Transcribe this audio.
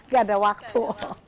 gak ada waktu